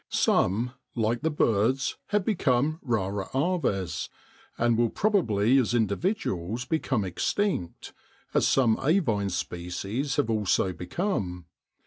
Some, like the birds, have become rara aves, and will probably as individuals become extinct, as some avine species have also become.